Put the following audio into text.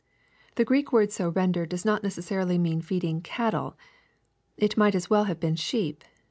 ] The Greek word so rendered does not neces sarily mean feeding cattle. It might as well have been sheep.